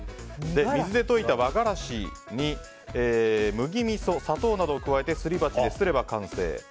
水で溶いた和がらしに麦みそ、砂糖などを加えてすり鉢ですれば完成。